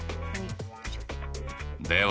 では